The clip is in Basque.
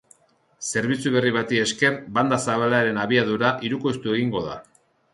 Zerbitzu berri bati esker, banda zabalaren abiadura hirukoiztu egingo da.